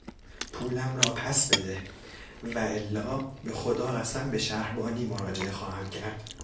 پولم را پس بده والا به خدا قسم به شهربانی مراجعه خواهم کرد!